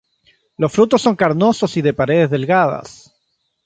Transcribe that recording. Los frutos son carnosos y de paredes delgadas.